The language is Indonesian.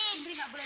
ini ibu ambil dulu